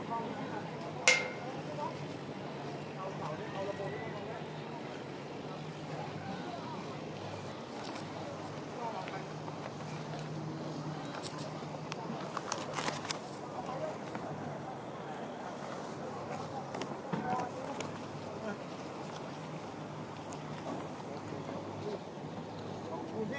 สวัสดีครับ